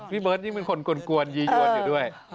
เบิร์ดยิ่งเป็นคนกวนยียวนอยู่ด้วย